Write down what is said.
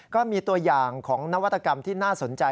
ก็มีตัวอย่างของนวัตกรรมที่น่าสนใจ